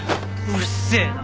うるせえな！